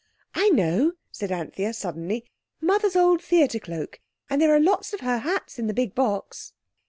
"I know," said Anthea suddenly. "Mother's old theatre cloak, and there are a lot of her old hats in the big box."